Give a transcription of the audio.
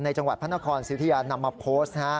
จังหวัดพระนครสิทธิยานำมาโพสต์